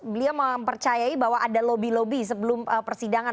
beliau mempercayai bahwa ada lobby lobby sebelum persidangan